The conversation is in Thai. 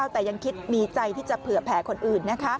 แต่ยังคิดมีใจที่จะเผื่อแผลคนอื่น